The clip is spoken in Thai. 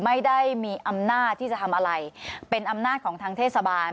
ไม่ได้มีอำนาจที่จะทำอะไรเป็นอำนาจของทางเทศบาล